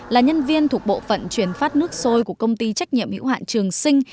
là nhân viên thuộc bộ phận truyền phát nước sôi của công ty trách nhiệm hữu hạn trường sinh